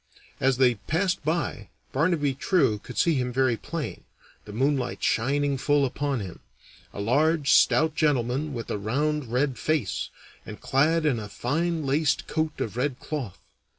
As they passed by, Barnaby True could see him very plain, the moonlight shining full upon him a large, stout gentleman with a round red face, and clad in a fine laced coat of red cloth.